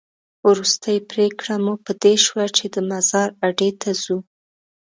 وروستۍ پرېکړه مو په دې شوه چې د مزار اډې ته ځو.